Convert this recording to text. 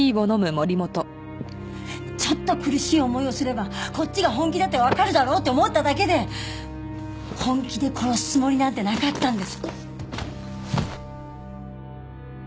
ちょっと苦しい思いをすればこっちが本気だってわかるだろうって思っただけで本気で殺すつもりなんてなかったんです。